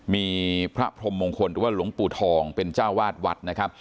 มีพระพรมมงคลหรือว่าหลวงปู่ทองเป็นเจ้าวาดวัดนะครับ